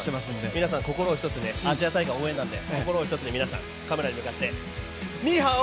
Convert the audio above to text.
皆さん、心を一つにアジア大会応援団ですから、皆さん、カメラに向かってニーハオ！